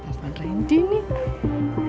harus tahan randy nih